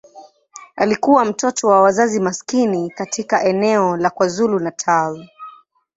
Alikuwa mtoto wa wazazi maskini katika eneo la KwaZulu-Natal.